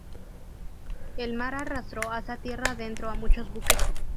El mar arrastró hasta tierra adentro a muchos buques.